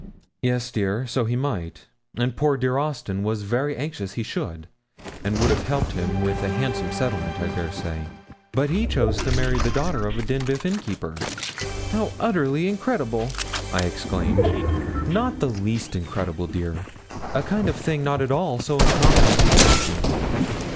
'Yes, dear; so he might, and poor dear Austin was very anxious he should, and would have helped him with a handsome settlement, I dare say, but he chose to marry the daughter of a Denbigh innkeeper.' 'How utterly incredible!' I exclaimed. 'Not the least incredible, dear a kind of thing not at all so uncommon as you fancy.'